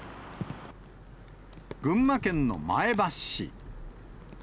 群馬県の前橋市。